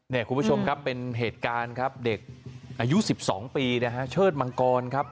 นี่คุณผู้ชมครับเป็นเหตุการณ์ครับเด็กอายุ๑๒ปีนะฮะเชิดมังกรครับ